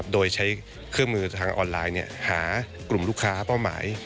โดยใช้เครื่องมือทางออนไลน์หากลุ่มลูกค้าเป้าหมาย